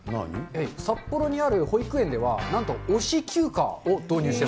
札幌にある保育園では、なんと、推し休暇？